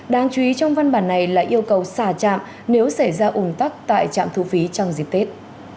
đáng chú ý trong văn bản này là yêu cầu xả trạm nếu xảy ra ủng tắc tại trạm thu phí trong dịp tết